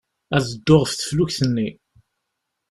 Ad dduɣ ɣef teflukt-nni.